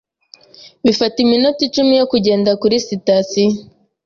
Bifata iminota icumi yo kugenda kuri sitasiyo.